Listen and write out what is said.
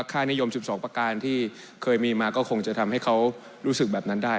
ค่านิยม๑๒ประการที่เคยมีมาก็คงจะทำให้เขารู้สึกแบบนั้นได้